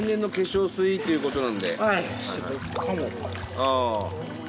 ああ！